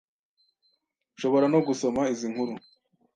Ushobora no gusoma izi nkuru